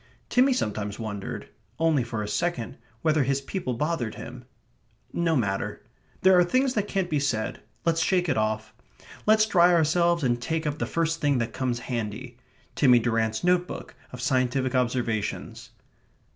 Timmy sometimes wondered (only for a second) whether his people bothered him.... No matter. There are things that can't be said. Let's shake it off. Let's dry ourselves, and take up the first thing that comes handy.... Timmy Durrant's notebook of scientific observations.